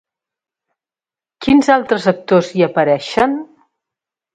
Quins altres actors hi apareixen?